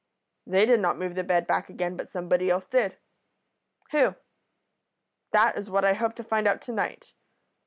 "'They did not move the bed back again, but somebody else did.' "'Who?' "'That is what I hope to find out to night?